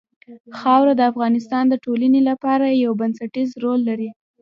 خاوره د افغانستان د ټولنې لپاره یو بنسټيز رول لري.